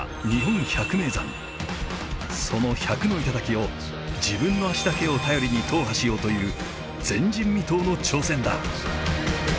その１００の頂を自分の足だけを頼りに踏破しようという前人未到の挑戦だ。